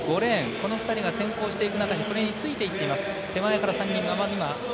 この２人が先行していく中についていっています。